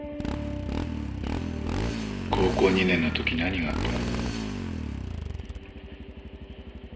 高校２年のとき何があった？